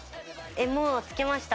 もうつけました。